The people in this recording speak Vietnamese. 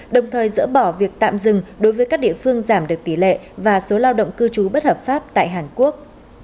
đồng thời dỡ bỏ việc tạm dừng đối với các địa phương giảm được tỷ lệ và số lao động cư trú bất hợp pháp tại hàn quốc